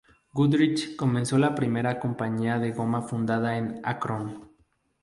Goodrich comenzó la primera compañía de goma fundada en Akron.